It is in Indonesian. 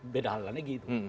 beda hal halnya gitu